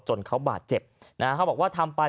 จนเขาบาดเจ็บนะฮะเขาบอกว่าทำไป